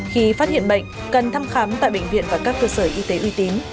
khi phát hiện bệnh cần thăm khám tại bệnh viện và các cơ sở y tế uy tín